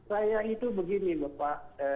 saya tuh begini bapak